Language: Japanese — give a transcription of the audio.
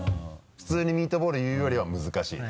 普通にミートボール言うよりは難しいね。